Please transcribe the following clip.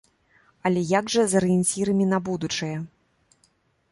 Але як жа з арыенцірамі на будучае.